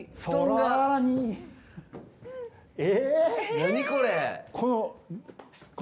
何これ！